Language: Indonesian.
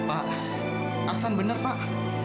pak aksan benar pak